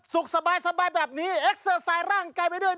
สุขสบายแบบนี้เอกเซอร์สสายร่างกายไปด้วย